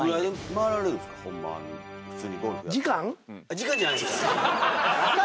時間じゃないです。